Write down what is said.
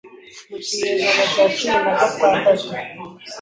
Mu kinyejana cya cumi nagatandatu